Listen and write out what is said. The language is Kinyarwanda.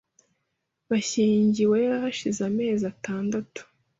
Bashyingiwe hashize amezi atandatu .